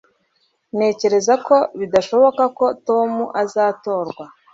ntekereza ko bidashoboka ko tom azatorwa